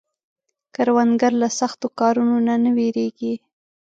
کروندګر له سختو کارونو نه نه ویریږي